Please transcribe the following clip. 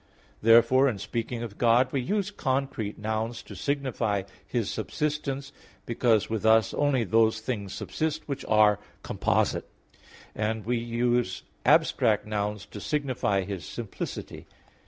Therefore in speaking of God, we use concrete nouns to signify His subsistence, because with us only those things subsist which are composite; and we use abstract nouns to signify His simplicity.